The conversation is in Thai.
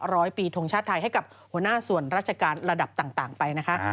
ร้อยปีทงชาติไทยให้กับหัวหน้าส่วนราชการระดับต่างไปนะคะ